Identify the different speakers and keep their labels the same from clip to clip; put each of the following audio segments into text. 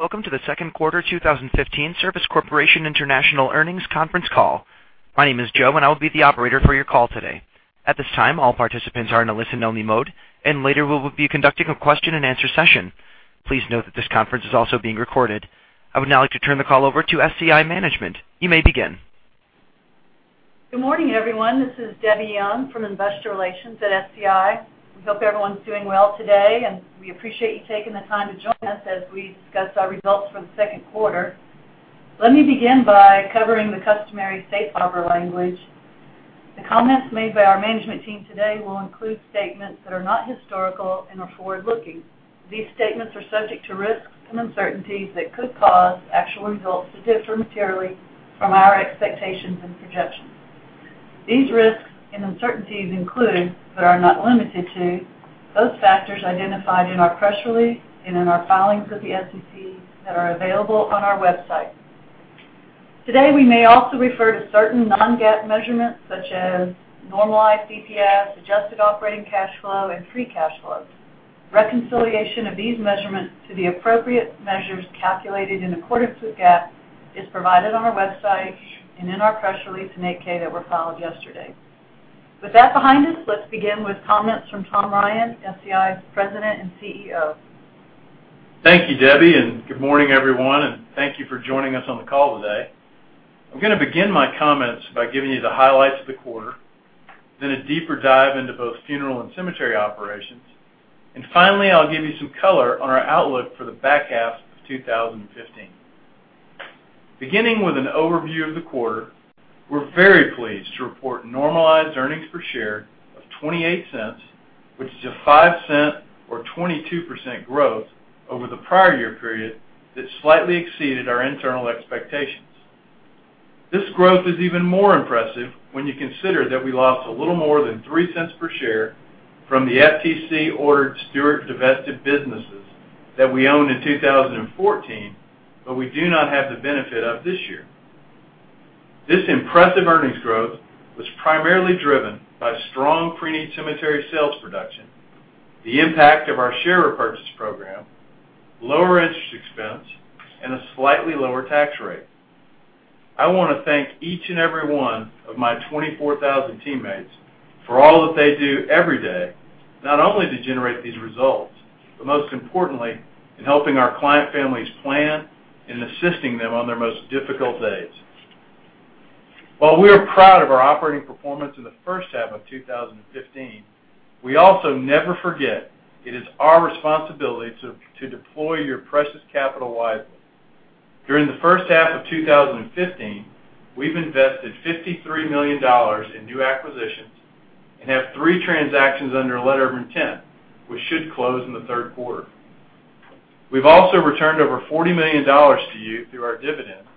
Speaker 1: Welcome to the second quarter 2015 Service Corporation International earnings conference call. My name is Joe, and I will be the operator for your call today. At this time, all participants are in a listen-only mode, and later we will be conducting a question and answer session. Please note that this conference is also being recorded. I would now like to turn the call over to SCI management. You may begin.
Speaker 2: Good morning, everyone. This is Debbie Young from investor relations at SCI. We hope everyone's doing well today, and we appreciate you taking the time to join us as we discuss our results for the second quarter. Let me begin by covering the customary safe harbor language. The comments made by our management team today will include statements that are not historical and are forward-looking. These statements are subject to risks and uncertainties that could cause actual results to differ materially from our expectations and projections. These risks and uncertainties include, but are not limited to, those factors identified in our press release and in our filings with the SEC that are available on our website. Today, we may also refer to certain non-GAAP measurements such as normalized EPS, adjusted operating cash flow, and free cash flow. Reconciliation of these measurements to the appropriate measures calculated in accordance with GAAP is provided on our website and in our press release and 8-K that were filed yesterday. With that behind us, let's begin with comments from Tom Ryan, SCI's President and CEO.
Speaker 3: Thank you, Debbie, and good morning, everyone, and thank you for joining us on the call today. I'm going to begin my comments by giving you the highlights of the quarter, then a deeper dive into both funeral and cemetery operations, and finally, I'll give you some color on our outlook for the back half of 2015. Beginning with an overview of the quarter, we're very pleased to report normalized earnings per share of $0.28, which is a $0.05 or 22% growth over the prior year period that slightly exceeded our internal expectations. This growth is even more impressive when you consider that we lost a little more than $0.03 per share from the FTC-ordered Stewart divested businesses that we owned in 2014, but we do not have the benefit of this year. This impressive earnings growth was primarily driven by strong pre-need cemetery sales production, the impact of our share repurchase program, lower interest expense, and a slightly lower tax rate. I want to thank each and every one of my 24,000 teammates for all that they do every day, not only to generate these results, but most importantly, in helping our client families plan and assisting them on their most difficult days. While we are proud of our operating performance in the first half of 2015, we also never forget it is our responsibility to deploy your precious capital wisely. During the first half of 2015, we've invested $53 million in new acquisitions and have three transactions under a letter of intent, which should close in the third quarter. We've also returned over $40 million to you through our dividends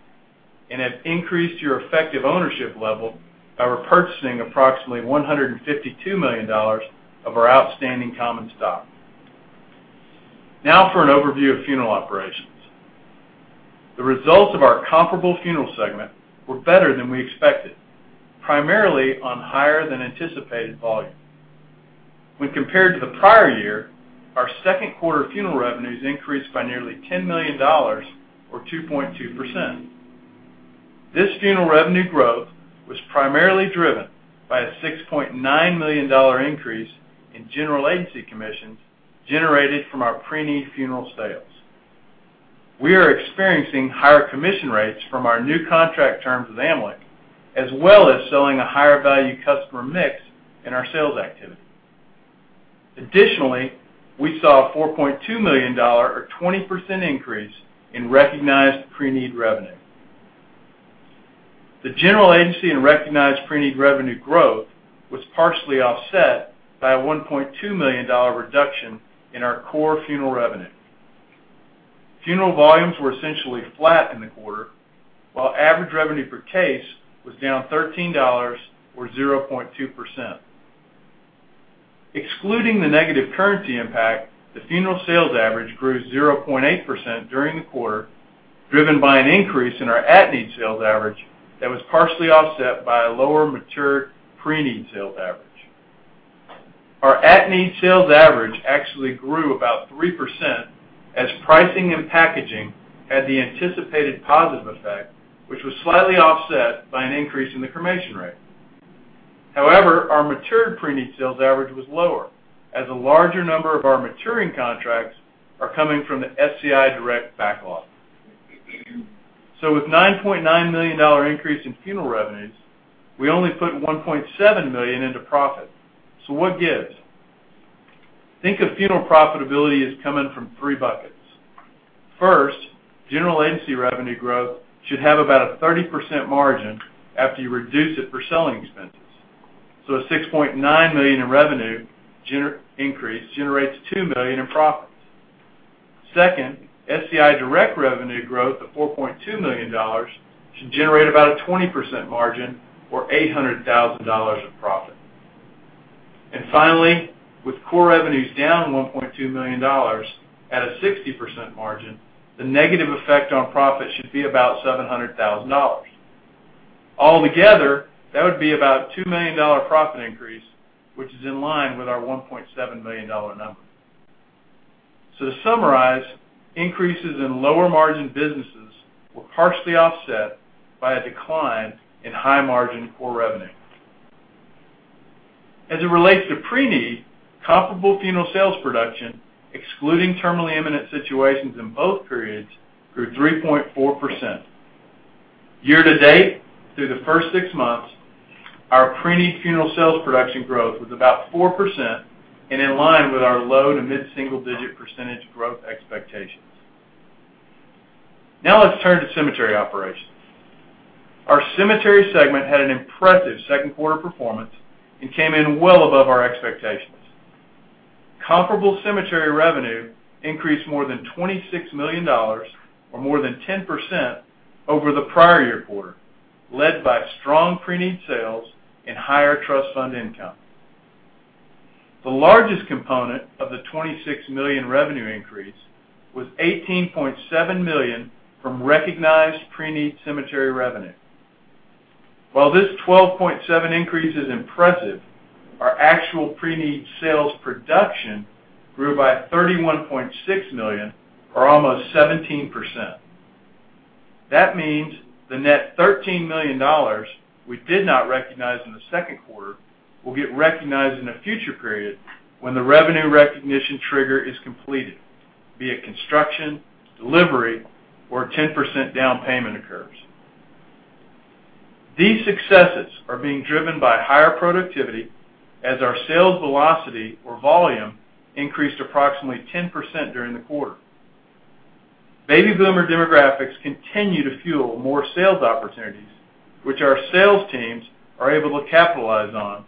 Speaker 3: and have increased your effective ownership level by repurchasing approximately $152 million of our outstanding common stock. Now for an overview of funeral operations. The results of our comparable funeral segment were better than we expected, primarily on higher-than-anticipated volume. When compared to the prior year, our second quarter funeral revenues increased by nearly $10 million or 2.2%. This funeral revenue growth was primarily driven by a $6.9 million increase in general agency commissions generated from our pre-need funeral sales. We are experiencing higher commission rates from our new contract terms with AMLIC, as well as selling a higher value customer mix in our sales activity. Additionally, we saw a $4.2 million or 20% increase in recognized pre-need revenue. The general agency and recognized pre-need revenue growth was partially offset by a $1.2 million reduction in our core funeral revenue. Funeral volumes were essentially flat in the quarter, while average revenue per case was down $13 or 0.2%. Excluding the negative currency impact, the funeral sales average grew 0.8% during the quarter, driven by an increase in our at-need sales average that was partially offset by a lower matured pre-need sales average. Our at-need sales average actually grew about 3% as pricing and packaging had the anticipated positive effect, which was slightly offset by an increase in the cremation rate. However, our matured pre-need sales average was lower as a larger number of our maturing contracts are coming from the SCI Direct backlog. With a $9.9 million increase in funeral revenues, we only put $1.7 million into profit. So what gives? Think of funeral profitability as coming from three buckets. First, general agency revenue growth should have about a 30% margin after you reduce it for selling expenses. So a $6.9 million in revenue increase generates $2 million in profits. Second, SCI Direct revenue growth of $4.2 million should generate about a 20% margin or $800,000 of profit. And finally, with core revenues down $1.2 million at a 60% margin, the negative effect on profit should be about $700,000. Altogether, that would be about a $2 million profit increase, which is in line with our $1.7 million number. To summarize, increases in lower margin businesses were partially offset by a decline in high margin core revenue. As it relates to pre-need, comparable funeral sales production, excluding terminally imminent situations in both periods, grew 3.4%. Year-to-date, through the first six months, our pre-need funeral sales production growth was about 4% and in line with our low- to mid-single-digit percentage growth expectations. Let's turn to cemetery operations. Our cemetery segment had an impressive second quarter performance and came in well above our expectations. Comparable cemetery revenue increased more than $26 million, or more than 10%, over the prior year quarter, led by strong pre-need sales and higher trust fund income. The largest component of the $26 million revenue increase was $18.7 million from recognized pre-need cemetery revenue. While this 12.7% increase is impressive, our actual pre-need sales production grew by $31.6 million, or almost 17%. The net $13 million we did not recognize in the second quarter will get recognized in a future period when the revenue recognition trigger is completed, via construction, delivery, or a 10% down payment occurs. These successes are being driven by higher productivity as our sales velocity or volume increased approximately 10% during the quarter. Baby Boomer demographics continue to fuel more sales opportunities, which our sales teams are able to capitalize on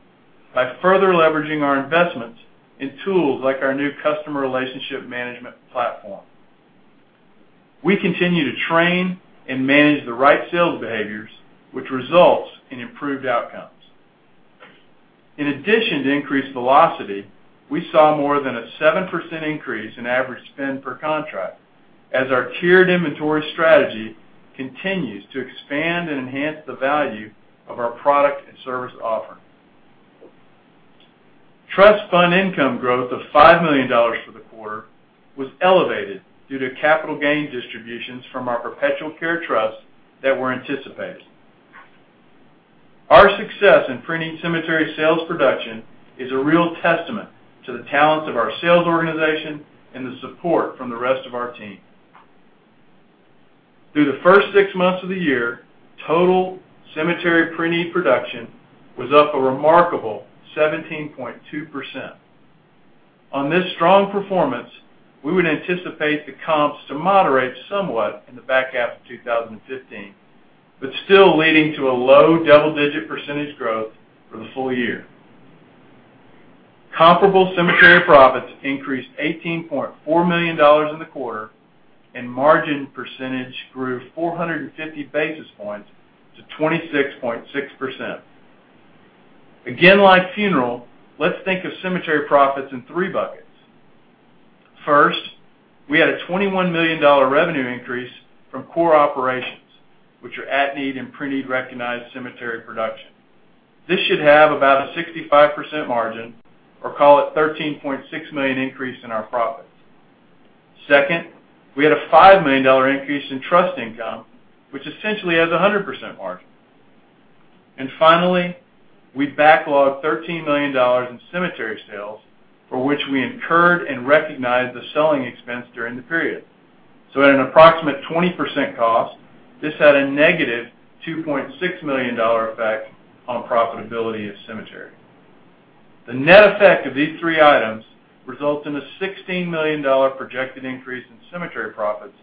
Speaker 3: by further leveraging our investments in tools like our new customer relationship management platform. We continue to train and manage the right sales behaviors, which results in improved outcomes. In addition to increased velocity, we saw more than a 7% increase in average spend per contract as our tiered inventory strategy continues to expand and enhance the value of our product and service offering. Trust fund income growth of $5 million for the quarter was elevated due to capital gain distributions from our perpetual care trusts that were anticipated. Our success in pre-need cemetery sales production is a real testament to the talents of our sales organization and the support from the rest of our team. Through the first six months of the year, total cemetery pre-need production was up a remarkable 17.2%. This strong performance, we would anticipate the comps to moderate somewhat in the back half of 2015, but still leading to a low double-digit percentage growth for the full year. Comparable cemetery profits increased $18.4 million in the quarter, and margin percentage grew 450 basis points to 26.6%. Like funeral, let's think of cemetery profits in three buckets. First, we had a $21 million revenue increase from core operations, which are at-need and pre-need recognized cemetery production. This should have about a 65% margin, or call it $13.6 million increase in our profits. Second, we had a $5 million increase in trust income, which essentially has 100% margin. Finally, we backlogged $13 million in cemetery sales, for which we incurred and recognized the selling expense during the period. At an approximate 20% cost, this had a negative $2.6 million effect on profitability of cemetery. The net effect of these three items results in a $16 million projected increase in cemetery profits,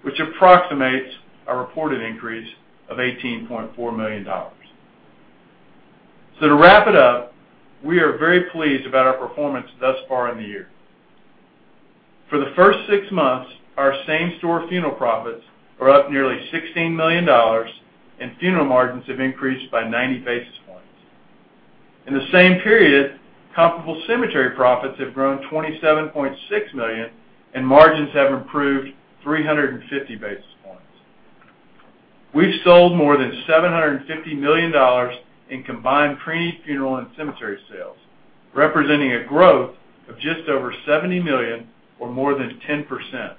Speaker 3: which approximates our reported increase of $18.4 million. To wrap it up, we are very pleased about our performance thus far in the year. For the first six months, our same-store funeral profits are up nearly $16 million, and funeral margins have increased by 90 basis points. In the same period, comparable cemetery profits have grown $27.6 million, and margins have improved 350 basis points. We've sold more than $750 million in combined pre-need funeral and cemetery sales, representing a growth of just over $70 million or more than 10%.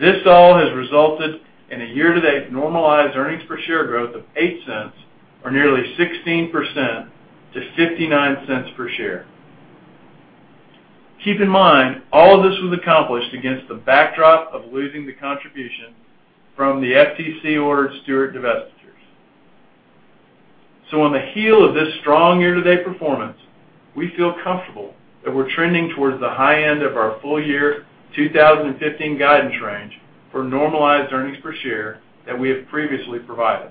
Speaker 3: This all has resulted in a year-to-date normalized earnings per share growth of $0.08, or nearly 16%, to $0.59 per share. Keep in mind, all of this was accomplished against the backdrop of losing the contribution from the FTC-ordered Stewart divestitures. On the heel of this strong year-to-date performance, we feel comfortable that we're trending towards the high end of our full year 2015 guidance range for normalized earnings per share that we have previously provided.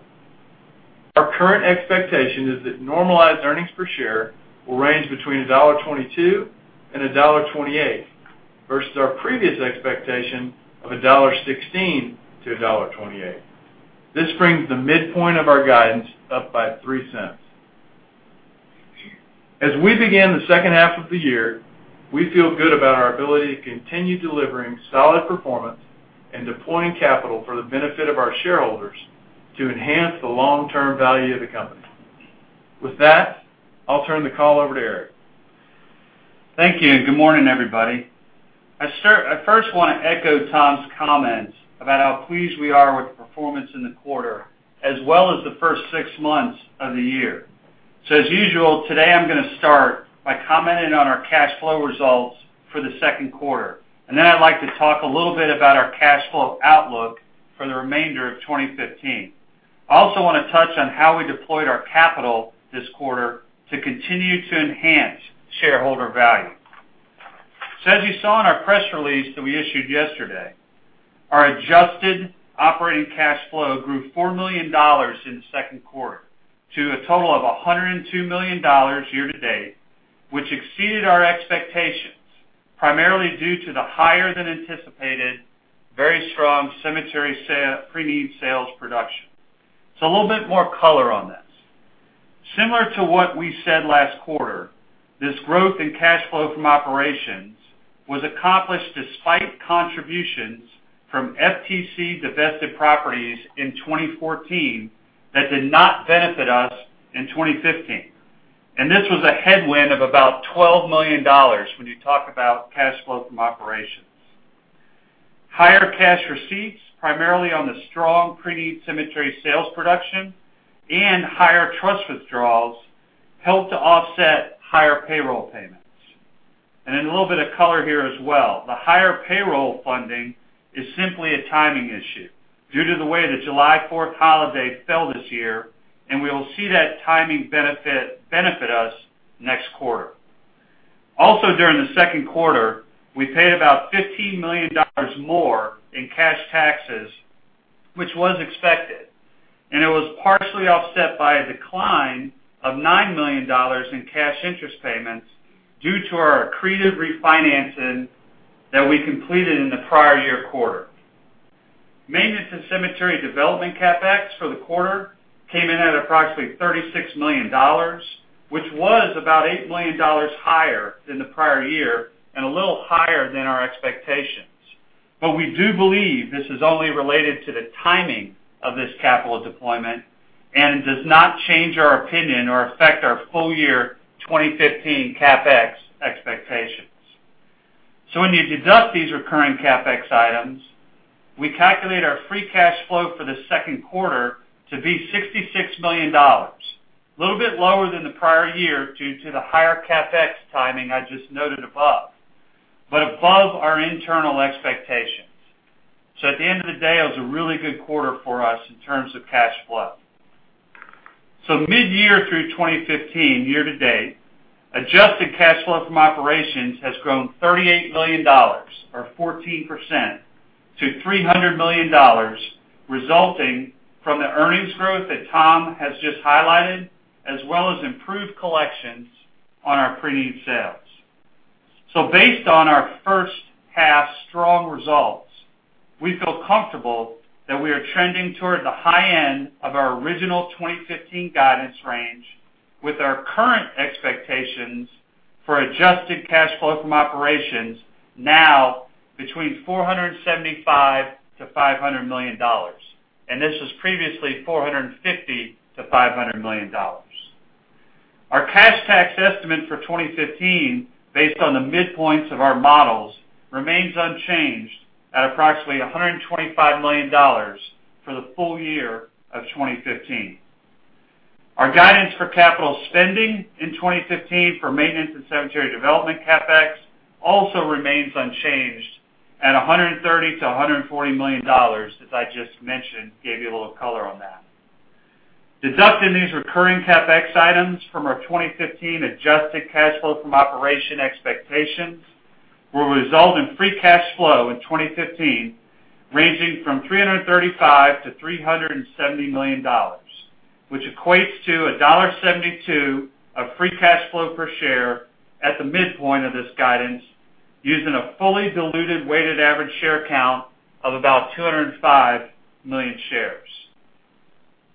Speaker 3: Our current expectation is that normalized earnings per share will range between $1.22 and $1.28, versus our previous expectation of $1.16 to $1.28. This brings the midpoint of our guidance up by $0.03. As we begin the second half of the year, we feel good about our ability to continue delivering solid performance and deploying capital for the benefit of our shareholders to enhance the long-term value of the company. With that, I'll turn the call over to Eric.
Speaker 4: Thank you. Good morning, everybody. I first want to echo Tom's comments about how pleased we are with the performance in the quarter as well as the first six months of the year. As usual, today I'm going to start by commenting on our cash flow results for the second quarter, I'd like to talk a little bit about our cash flow outlook for the remainder of 2015. I also want to touch on how we deployed our capital this quarter to continue to enhance shareholder value. As you saw in our press release that we issued yesterday, our adjusted operating cash flow grew $4 million in the second quarter to a total of $102 million year to date, which exceeded our expectations, primarily due to the higher than anticipated, very strong cemetery pre-need sales production. A little bit more color on this. Similar to what we said last quarter, this growth in cash flow from operations was accomplished despite contributions from FTC-divested properties in 2014 that did not benefit us in 2015. This was a headwind of about $12 million when you talk about cash flow from operations. Higher cash receipts, primarily on the strong pre-need cemetery sales production and higher trust withdrawals, helped to offset higher payroll payments. A little bit of color here as well. The higher payroll funding is simply a timing issue due to the way the July 4th holiday fell this year, and we will see that timing benefit us next quarter. During the second quarter, we paid about $15 million more in cash taxes, which was expected, and it was partially offset by a decline of $9 million in cash interest payments due to our accretive refinancing that we completed in the prior year quarter. Maintenance and cemetery development CapEx for the quarter came in at approximately $36 million, which was about $8 million higher than the prior year and a little higher than our expectations. We do believe this is only related to the timing of this capital deployment and does not change our opinion or affect our full year 2015 CapEx expectations. When you deduct these recurring CapEx items, we calculate our free cash flow for the second quarter to be $66 million. A little bit lower than the prior year due to the higher CapEx timing I just noted above, but above our internal expectations. At the end of the day, it was a really good quarter for us in terms of cash flow. Mid-year through 2015 year to date, adjusted cash flow from operations has grown $38 million or 14% to $300 million, resulting from the earnings growth that Tom has just highlighted, as well as improved collections on our pre-need sales. Based on our first half strong results, we feel comfortable that we are trending toward the high end of our original 2015 guidance range with our current expectations for adjusted cash flow from operations now between $475 million-$500 million. This was previously $450 million-$500 million. Our cash tax estimate for 2015, based on the midpoints of our models, remains unchanged at approximately $125 million for the full year of 2015. Our guidance for capital spending in 2015 for maintenance and cemetery development CapEx also remains unchanged at $130 million-$140 million, as I just mentioned, gave you a little color on that. Deducting these recurring CapEx items from our 2015 adjusted cash flow from operation expectations will result in free cash flow in 2015 ranging from $335 million-$370 million, which equates to $1.72 of free cash flow per share at the midpoint of this guidance, using a fully diluted weighted average share count of about 205 million shares.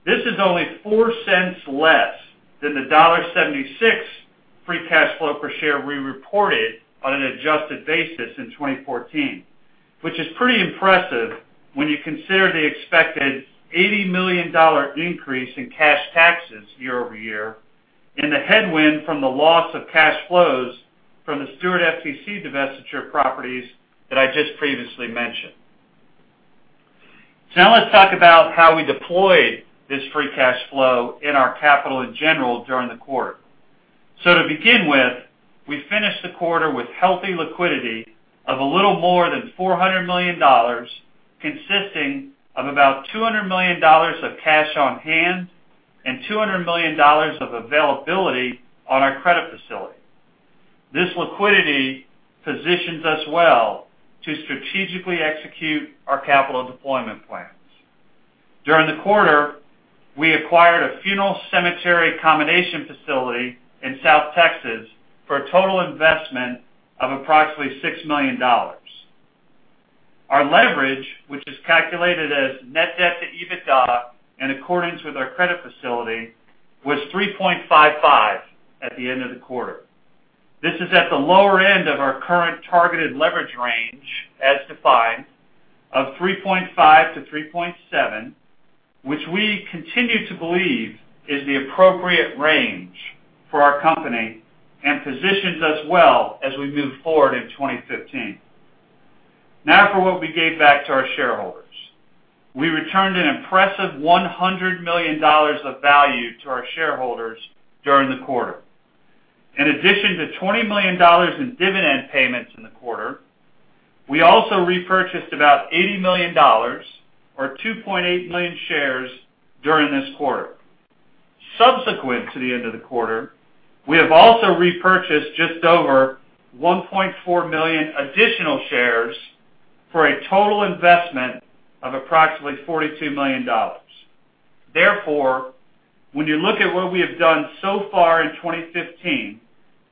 Speaker 4: This is only $0.04 less than the $1.76 free cash flow per share we reported on an adjusted basis in 2014, which is pretty impressive when you consider the expected $80 million increase in cash taxes year-over-year and the headwind from the loss of cash flows from the Stewart FTC divestiture properties that I just previously mentioned. Now let's talk about how we deployed this free cash flow in our capital in general during the quarter. To begin with, we finished the quarter with healthy liquidity of a little more than $400 million, consisting of about $200 million of cash on hand and $200 million of availability on our credit facility. This liquidity positions us well to strategically execute our capital deployment plans. During the quarter, we acquired a funeral cemetery combination facility in South Texas for a total investment of approximately $6 million. Our leverage, which is calculated as net debt to EBITDA in accordance with our credit facility, was 3.55 at the end of the quarter. This is at the lower end of our current targeted leverage range, as defined, of 3.5-3.7, which we continue to believe is the appropriate range for our company and positions us well as we move forward in 2015. For what we gave back to our shareholders. We returned an impressive $100 million of value to our shareholders during the quarter. In addition to $20 million in dividend payments in the quarter, we also repurchased about $80 million, or 2.8 million shares, during this quarter. Subsequent to the end of the quarter, we have also repurchased just over 1.4 million additional shares for a total investment of approximately $42 million. When you look at what we have done so far in 2015,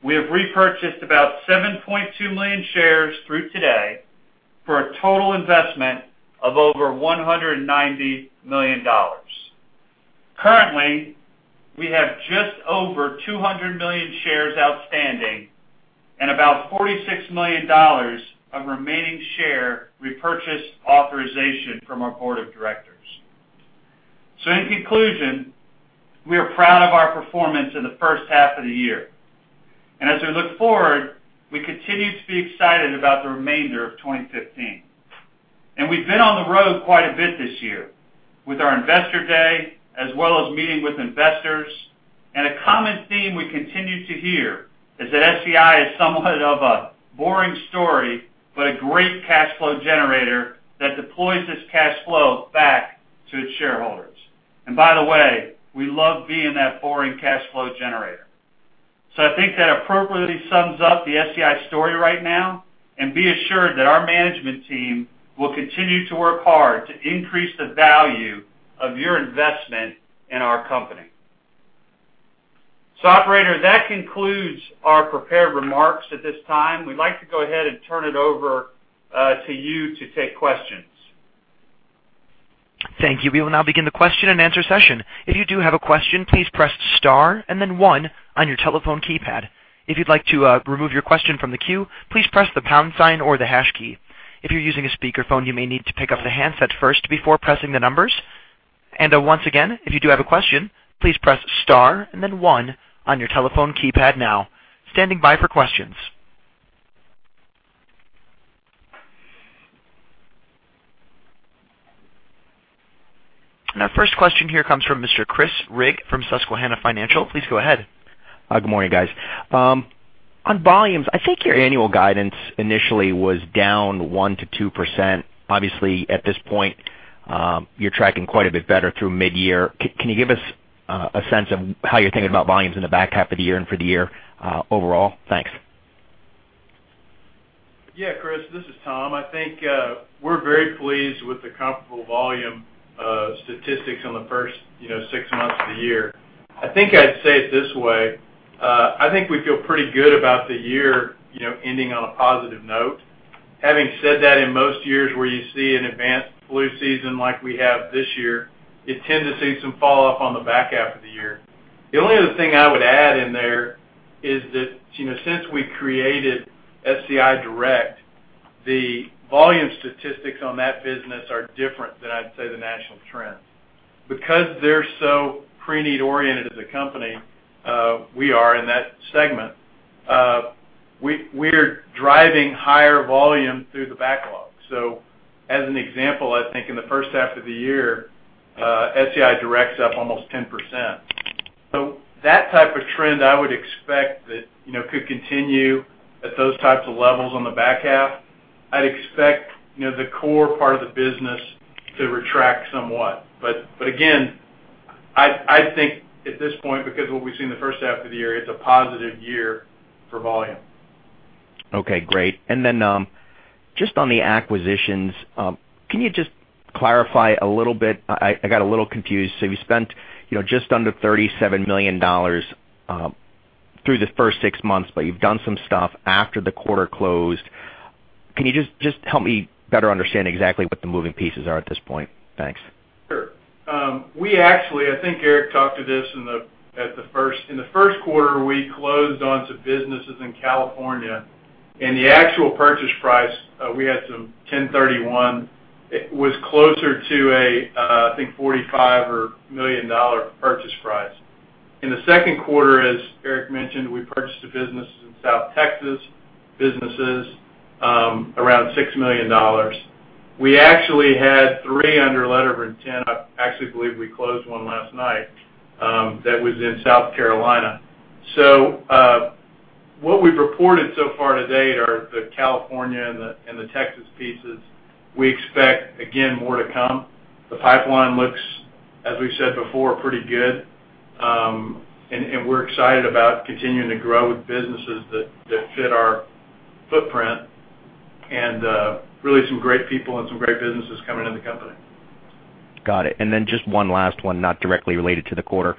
Speaker 4: we have repurchased about 7.2 million shares through today for a total investment of over $190 million. Currently, we have just over 200 million shares outstanding and about $46 million of remaining share repurchase authorization from our board of directors. In conclusion, we are proud of our performance in the first half of the year. As we look forward, we continue to be excited about the remainder of 2015. We've been on the road quite a bit this year with our investor day, as well as meeting with investors. A common theme we continue to hear is that SCI is somewhat of a boring story, but a great cash flow generator that deploys this cash flow back to its shareholders. By the way, we love being that boring cash flow generator. I think that appropriately sums up the SCI story right now, and be assured that our management team will continue to work hard to increase the value of your investment in our company. Operator, that concludes our prepared remarks. At this time, we'd like to go ahead and turn it over to you to take questions.
Speaker 1: Thank you. We will now begin the question and answer session. If you do have a question, please press star and then one on your telephone keypad. If you'd like to remove your question from the queue, please press the pound sign or the hash key. If you're using a speakerphone, you may need to pick up the handset first before pressing the numbers. Once again, if you do have a question, please press star and then one on your telephone keypad now. Standing by for questions. First question here comes from Mr. Chris Rigg from Susquehanna Financial. Please go ahead.
Speaker 5: Good morning, guys. On volumes, I think your annual guidance initially was down 1% to 2%. Obviously, at this point, you're tracking quite a bit better through mid-year. Can you give us a sense of how you're thinking about volumes in the back half of the year and for the year overall? Thanks.
Speaker 3: Yeah, Chris, this is Tom. I think we're very pleased with the comfortable volume statistics on the first six months of the year. I think I'd say it this way. I think we feel pretty good about the year ending on a positive note. Having said that, in most years where you see an advanced flu season like we have this year, you tend to see some fall off on the back half of the year. The only other thing I would add in there is that since we created SCI Direct, the volume statistics on that business are different than I'd say the national trend. Because they're so pre-need oriented as a company, we are in that segment. We're driving higher volume through the backlog. As an example, I think in the first half of the year, SCI Direct's up almost 10%. That type of trend I would expect that could continue at those types of levels on the back half. I'd expect the core part of the business to retract somewhat. Again, I think at this point, because of what we've seen the first half of the year, it's a positive year for volume.
Speaker 5: Okay, great. Just on the acquisitions, can you just clarify a little bit? I got a little confused. You spent just under $37 million through the first six months, but you've done some stuff after the quarter closed. Can you just help me better understand exactly what the moving pieces are at this point? Thanks.
Speaker 3: Sure. We actually, I think Eric talked to this in the first quarter, we closed on some businesses in California, and the actual purchase price, we had some 1031. It was closer to a, I think, $45 or $1 million purchase price. In the second quarter, as Eric mentioned, we purchased a business in South Texas, businesses around $6 million. We actually had three under letter of intent. I actually believe we closed one last night that was in South Carolina. What we've reported so far to date are the California and the Texas pieces. We expect, again, more to come. The pipeline looks, as we've said before, pretty good. We're excited about continuing to grow with businesses that fit our footprint and really some great people and some great businesses coming into the company.
Speaker 5: Got it. Then just one last one, not directly related to the quarter.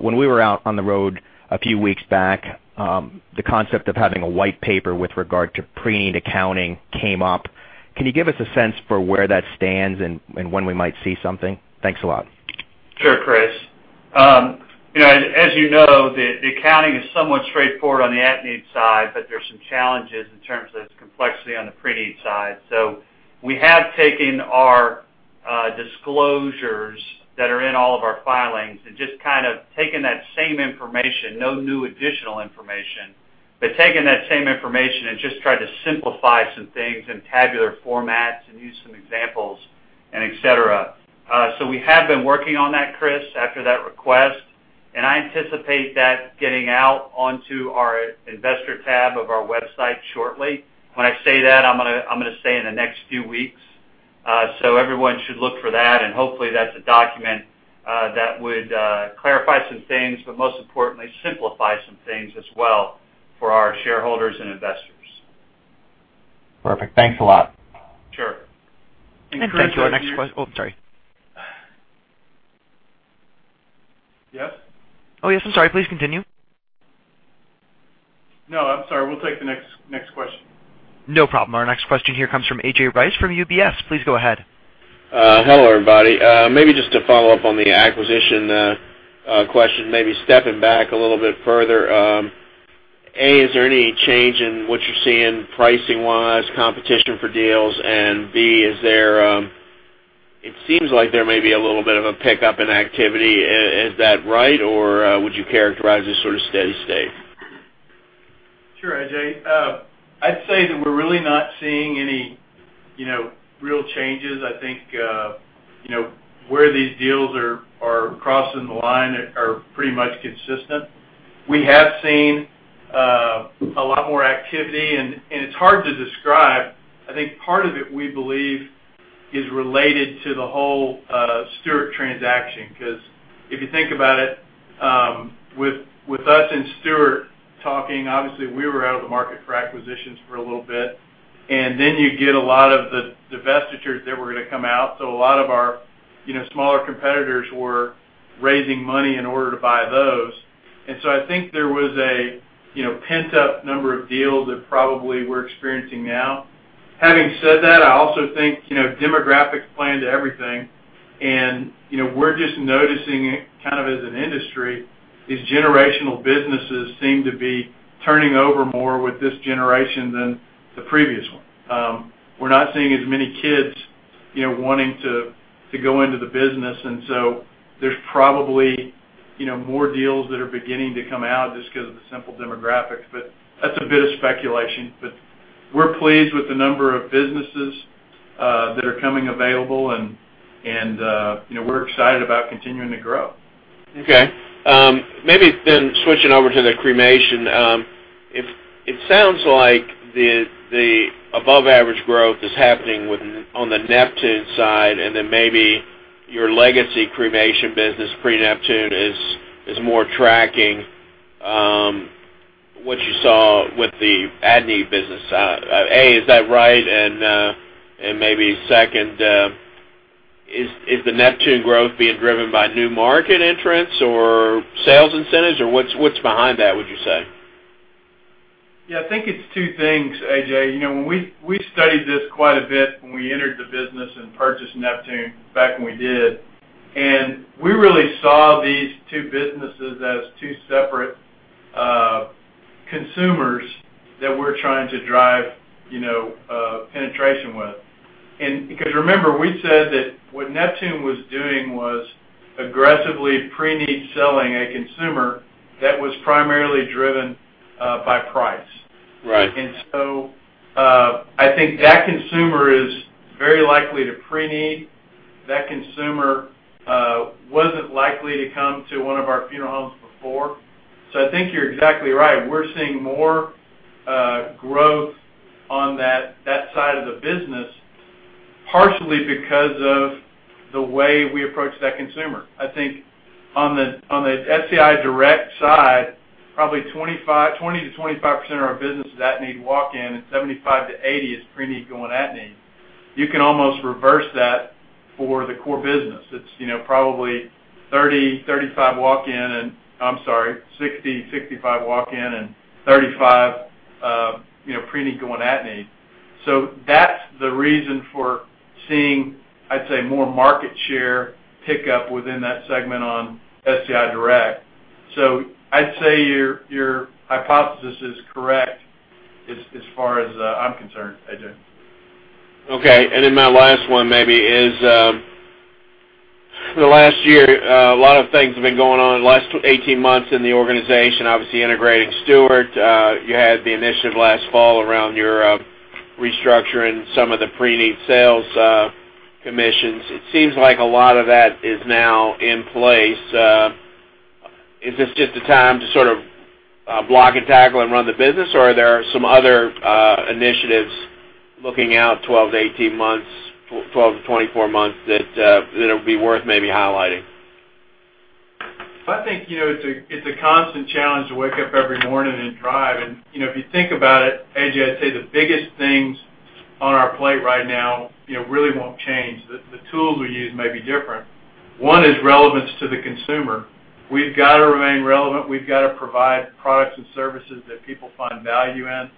Speaker 5: When we were out on the road a few weeks back, the concept of having a white paper with regard to pre-need accounting came up. Can you give us a sense for where that stands and when we might see something? Thanks a lot.
Speaker 3: Sure, Chris. As you know, the accounting is somewhat straightforward on the at-need side, but there's some challenges in terms of its complexity on the pre-need side. We have taken our disclosures that are in all of our filings and just taken that same information, no new additional information, but taken that same information and just tried to simplify some things in tabular formats and used some examples, and et cetera. We have been working on that, Chris, after that request, and I anticipate that getting out onto our investor tab of our website shortly. When I say that, I'm going to say in the next few weeks. Everyone should look for that, and hopefully that's a document that would clarify some things, but most importantly, simplify some things as well for our shareholders and investors.
Speaker 5: Perfect. Thanks a lot.
Speaker 4: Sure.
Speaker 1: Oh, sorry.
Speaker 4: Yes?
Speaker 1: Oh, yes. I'm sorry. Please continue.
Speaker 4: No, I'm sorry. We'll take the next question.
Speaker 1: No problem. Our next question here comes from A.J. Rice from UBS. Please go ahead.
Speaker 6: Hello, everybody. Maybe just to follow up on the acquisition question, maybe stepping back a little bit further. A, is there any change in what you're seeing pricing-wise, competition for deals, and B, it seems like there may be a little bit of a pickup in activity. Is that right, or would you characterize this sort of steady state?
Speaker 3: Sure, A.J. I'd say that we're really not seeing any real changes. I think where these deals are crossing the line are pretty much consistent. We have seen a lot more activity. If you think about it, with us and Stewart talking, obviously, we were out of the market for acquisitions for a little bit. You get a lot of the divestitures that were going to come out, so a lot of our smaller competitors were raising money in order to buy those. I think there was a pent-up number of deals that probably we're experiencing now. Having said that, I also think demographics play into everything, and we're just noticing it kind of as an industry, these generational businesses seem to be turning over more with this generation than the previous one. We're not seeing as many kids wanting to go into the business, and so there's probably more deals that are beginning to come out just because of the simple demographics. That's a bit of speculation, but we're pleased with the number of businesses that are coming available, and we're excited about continuing to grow.
Speaker 6: Okay. Maybe switching over to the cremation. It sounds like the above-average growth is happening on the Neptune side, and then maybe your legacy cremation business, pre-Neptune, is more tracking what you saw with the at-need business side. A, is that right? Maybe second, is the Neptune growth being driven by new market entrants or sales incentives, or what's behind that, would you say?
Speaker 3: I think it's two things, A.J. We studied this quite a bit when we entered the business and purchased Neptune Society back when we did. We really saw these two businesses as two separate consumers that we're trying to drive penetration with. Remember, we said that what Neptune Society was doing was aggressively pre-need selling a consumer that was primarily driven by price.
Speaker 6: Right.
Speaker 3: I think that consumer is very likely to pre-need. That consumer wasn't likely to come to one of our funeral homes before. I think you're exactly right. We're seeing more growth on that side of the business, partially because of the way we approach that consumer. I think on the SCI Direct side, probably 20%-25% of our business is at-need walk-in, and 75%-80% is pre-need going at-need. You can almost reverse that for the core business. It's probably 60%-65% walk-in and 35% pre-need going at-need. That's the reason for seeing, I'd say, more market share pickup within that segment on SCI Direct. I'd say your hypothesis is correct as far as I'm concerned, A.J.
Speaker 6: My last one, for the last year, a lot of things have been going on, the last 18 months in the organization, obviously integrating Stewart Enterprises, Inc. You had the initiative last fall around your restructuring some of the pre-need sales commissions. It seems like a lot of that is now in place. Is this just the time to sort of block and tackle and run the business, or are there some other initiatives looking out 12-18 months, 12-24 months, that it'll be worth highlighting?
Speaker 3: I think it's a constant challenge to wake up every morning and drive. If you think about it, A.J., I'd say the biggest things on our plate right now really won't change. The tools we use may be different. One is relevance to the consumer. We've got to remain relevant. We've got to provide products and services that people find value in.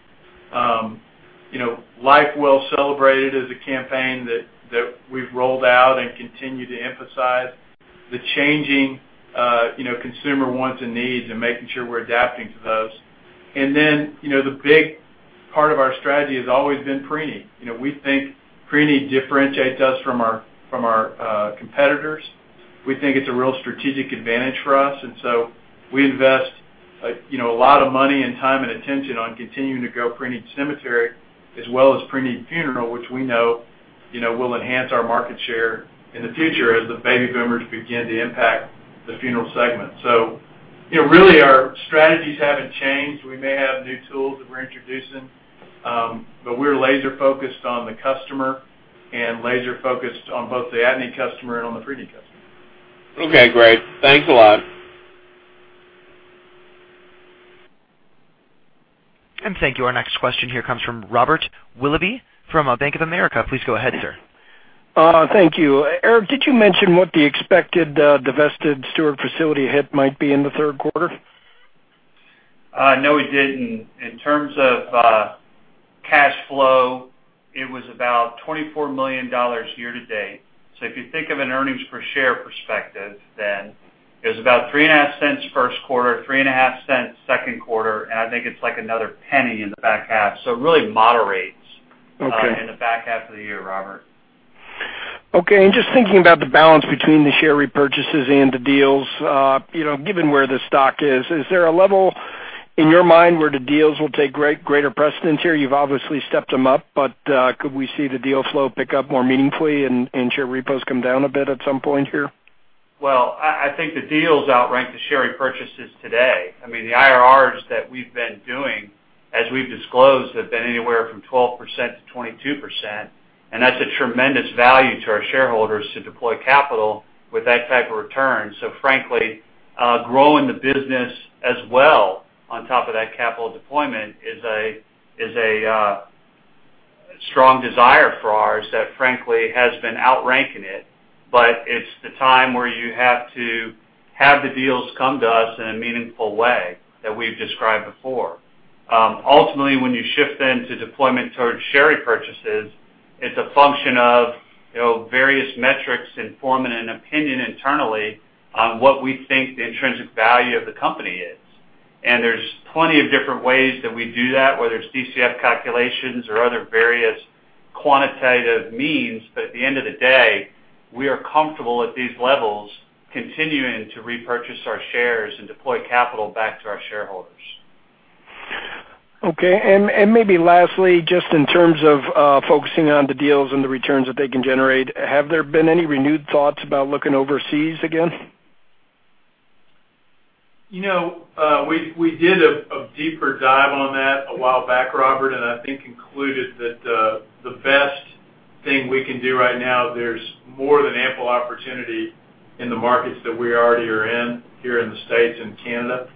Speaker 3: Life Well Celebrated is a campaign that we've rolled out and continue to emphasize the changing consumer wants and needs, making sure we're adapting to those. The big part of our strategy has always been pre-need. We think pre-need differentiates us from our competitors. We think it's a real strategic advantage for us. We invest a lot of money and time, and attention on continuing to grow pre-need cemetery, as well as pre-need funeral, which we know will enhance our market share in the future as the baby boomers begin to impact the funeral segment. Really, our strategies haven't changed. We may have new tools that we're introducing. We're laser-focused on the customer, and laser-focused on both the at-need customer and on the pre-need customer.
Speaker 6: Okay, great. Thanks a lot.
Speaker 1: Thank you. Our next question here comes from Robert Willoughby from Bank of America. Please go ahead, sir.
Speaker 7: Thank you. Eric, did you mention what the expected divested Stewart facility hit might be in the third quarter?
Speaker 4: No, we didn't. In terms of cash flow, it was about $24 million year to date. If you think of an earnings per share perspective, then it was about $0.035 first quarter, $0.035 second quarter, and I think it's like another $0.01 in the back half. It really moderates-
Speaker 7: Okay
Speaker 3: in the back half of the year, Robert.
Speaker 7: Okay. Just thinking about the balance between the share repurchases and the deals. Given where the stock is there a level in your mind where the deals will take greater precedence here? You've obviously stepped them up, could we see the deal flow pick up more meaningfully and share repos come down a bit at some point here?
Speaker 3: Well, I think the deals outrank the share repurchases today. The IRRs that we've been doing, as we've disclosed, have been anywhere from 12%-22%, and that's a tremendous value to our shareholders to deploy capital with that type of return. Frankly, growing the business as well, on top of that capital deployment, is a strong desire for ours that frankly has been outranking it. It's the time where you have to have the deals come to us in a meaningful way that we've described before. Ultimately, when you shift then to deployment towards share repurchases, it's a function of various metrics informing an opinion internally on what we think the intrinsic value of the company is. There's plenty of different ways that we do that, whether it's DCF calculations or other various quantitative means. At the end of the day, we are comfortable at these levels continuing to repurchase our shares and deploy capital back to our shareholders.
Speaker 7: Okay. Maybe lastly, just in terms of focusing on the deals and the returns that they can generate, have there been any renewed thoughts about looking overseas again?
Speaker 3: We did a deeper dive on that a while back, Robert, I think concluded that the best thing we can do right now, there's more than ample opportunity in the markets that we already are in here in the U.S. and Canada.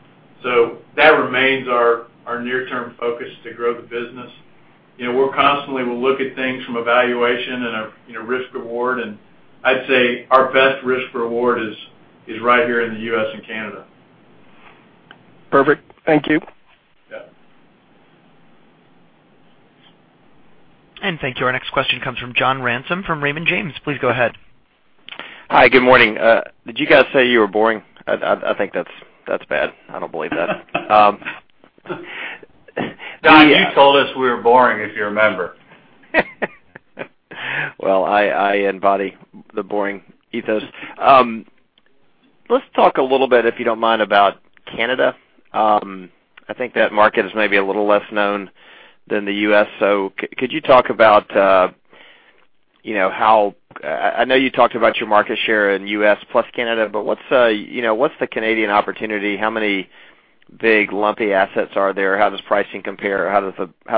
Speaker 3: That remains our near-term focus to grow the business. We'll constantly look at things from a valuation and a risk reward, and I'd say our best risk reward is right here in the U.S. and Canada.
Speaker 7: Perfect. Thank you.
Speaker 3: Yeah.
Speaker 1: Thank you. Our next question comes from John Ransom from Raymond James. Please go ahead.
Speaker 8: Hi. Good morning. Did you guys say you were boring? I think that's bad. I don't believe that.
Speaker 3: John, you told us we were boring, if you remember.
Speaker 8: Well, I embody the boring ethos. Let's talk a little bit, if you don't mind, about Canada. I think that market is maybe a little less known than the U.S. Could you talk about how I know you talked about your market share in U.S. plus Canada, but what's the Canadian opportunity? How many big lumpy assets are there? How does pricing compare? How do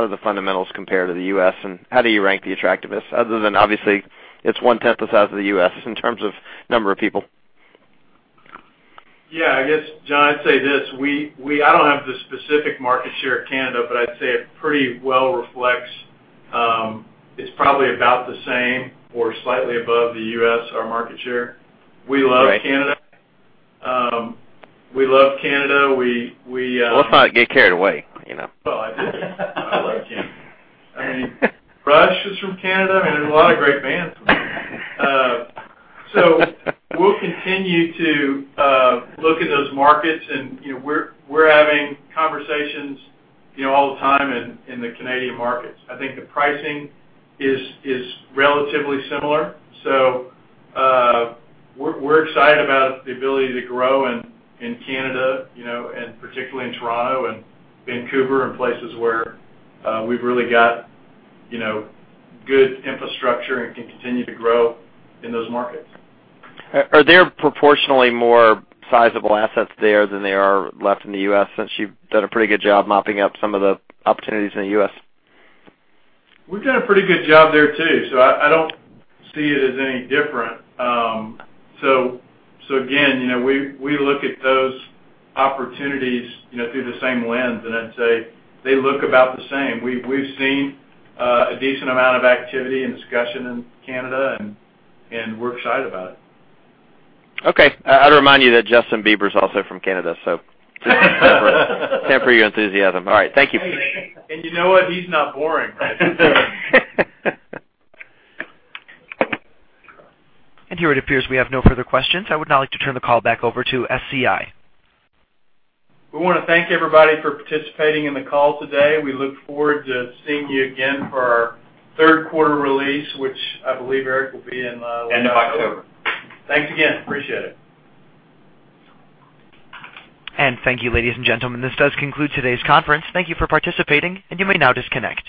Speaker 8: the fundamentals compare to the U.S., and how do you rank the attractiveness other than, obviously, it's one-tenth the size of the U.S. in terms of number of people?
Speaker 3: Yeah, I guess, John, I'd say this. I don't have the specific market share of Canada, but I'd say it pretty well reflects, it's probably about the same or slightly above the U.S., our market share.
Speaker 8: Right.
Speaker 3: We love Canada.
Speaker 8: Let's not get carried away.
Speaker 3: Well, I did. I love Canada. Rush is from Canada. There's a lot of great bands from there. We'll continue to look at those markets, and we're having conversations all the time in the Canadian markets. I think the pricing is relatively similar. We're excited about the ability to grow in Canada, and particularly in Toronto and Vancouver, and places where we've really got good infrastructure and can continue to grow in those markets.
Speaker 8: Are there proportionally more sizable assets there than there are left in the U.S. since you've done a pretty good job mopping up some of the opportunities in the U.S.?
Speaker 3: We've done a pretty good job there, too. I don't see it as any different. Again, we look at those opportunities through the same lens, I'd say they look about the same. We've seen a decent amount of activity and discussion in Canada, we're excited about it.
Speaker 8: Okay. I'd remind you that Justin Bieber is also from Canada, temper your enthusiasm. All right. Thank you.
Speaker 3: You know what? He's not boring.
Speaker 1: Here it appears we have no further questions. I would now like to turn the call back over to SCI.
Speaker 3: We want to thank everybody for participating in the call today. We look forward to seeing you again for our third quarter release, which I believe, Eric, will be in late October.
Speaker 4: End of October.
Speaker 3: Thanks again. Appreciate it.
Speaker 1: Thank you, ladies and gentlemen. This does conclude today's conference. Thank you for participating, and you may now disconnect.